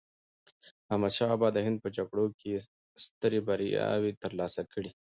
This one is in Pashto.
احمد شاه بابا د هند په جګړو کې یې سترې بریاوې ترلاسه کړې.